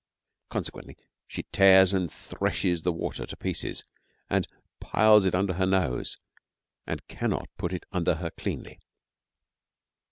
Consequently, she tears and threshes the water to pieces, and piles it under her nose and cannot put it under her cleanly.